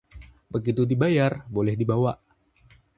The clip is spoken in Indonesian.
begitu dibayar, boleh dibawa